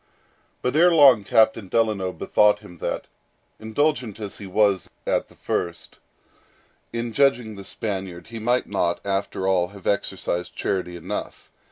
But ere long Captain Delano bethought him that, indulgent as he was at the first, in judging the Spaniard, he might not, after all, have exercised charity enough.